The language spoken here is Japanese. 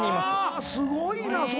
すごいな！